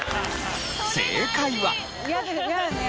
正解は。